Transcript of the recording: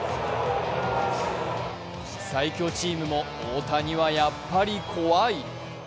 最強チームも大谷はやっぱり怖い。